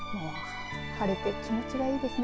晴れて気持ちがいいですね。